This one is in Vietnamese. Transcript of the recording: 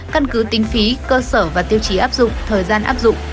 căn cứ tính phí cơ sở và tiêu chí áp dụng thời gian áp dụng